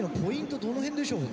どの辺でしょうね。